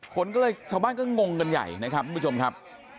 คนก็เลยชาวบ้านก็งงกันใหญ่นะครับทุกผู้ชมครับ